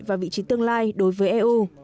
và vị trí tương lai đối với eu